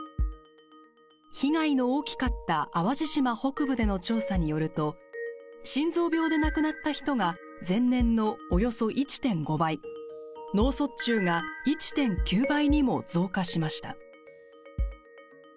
被害の大きかった淡路島北部での調査によると心臓病で亡くなった人が前年のおよそ１．５倍脳卒中が１．９倍にも増加しました。